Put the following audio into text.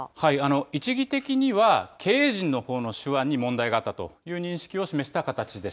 一義的には、経営陣のほうの手腕に問題があったという認識を示した形です。